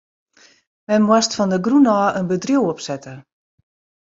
Men moast fan de grûn ôf in bedriuw opsette.